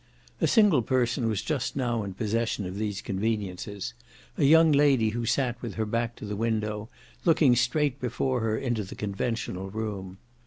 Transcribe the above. A single person was just now in possession of these conveniences a young lady who sat with her back to the window, looking straight before her into the conventional room.